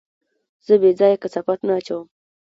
زه بېځايه کثافات نه اچوم.